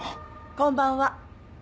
こんばんは。